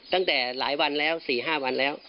ตั้งแต่หลายวันแล้ว๔๕วันแล้ว